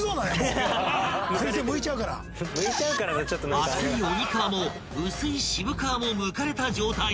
［厚い鬼皮も薄い渋皮もむかれた状態に］